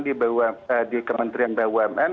di kementerian bumn